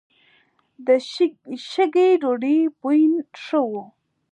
د شګې ډوډۍ بوی ښه و.